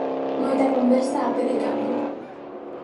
Moita conversa a pé de campo.